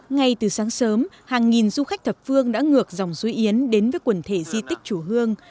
ngay từ sáng sớm hàng nghìn du khách thập phương đã ngược dòng suối yến đến với quần thể di tích chùa hương